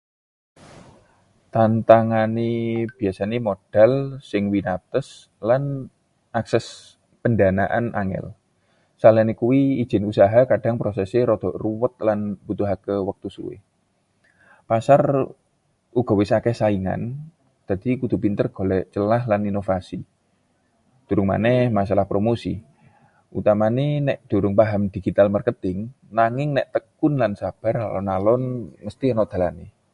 Tantangané biasané modal sing winates lan akses pendanaan angel. Saliyane kuwi, ijin usaha kadang prosesé rada ruwet lan mbutuhake wektu suwe. Pasar uga wis akèh saingan, dadi kudu pinter golek celah lan inovasi. Durung maneh masalah promosi, utamane nek durung paham digital marketing. Nanging nek tekun lan sabar, alon-alon mesthi ana dalané.